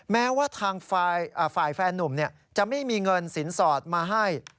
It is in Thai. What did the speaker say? แม้ว่าทางฝ่ายแฟนนุ่มจะไม่มีเงินสินสอดมาให้